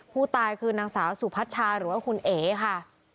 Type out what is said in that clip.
ผู้ตายคือนางสาวสุพัชชาหรือว่าคุณเอ๋ค่ะ